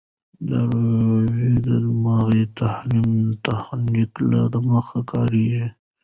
د ژور دماغي تحريک تخنیک لا دمخه کارېږي.